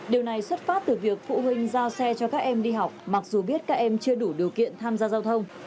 điều này xuất phát từ việc phụ huynh giao xe cho các em đi học mặc dù biết các em chưa đủ điều kiện tham gia giao thông